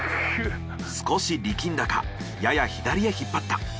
少し力んだかやや左へ引っ張った。